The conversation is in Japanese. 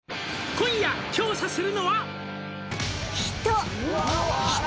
「今夜調査するのは！」